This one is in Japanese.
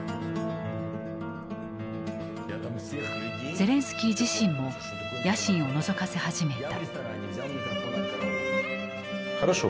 ゼレンスキー自身も野心をのぞかせ始めた。